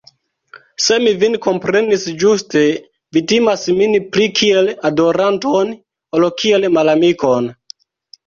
Se mi vin komprenis ĝuste, vi timas min pli kiel adoranton, ol kiel malamikon.